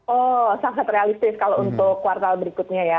oh sangat realistis kalau untuk kuartal berikutnya ya